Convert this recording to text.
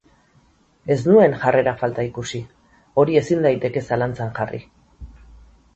Ez nuen jarrera falta ikusi, hori ezin daiteke zalantzan jarri.